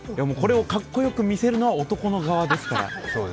これをカッコよく見せるのは、男の側ですから。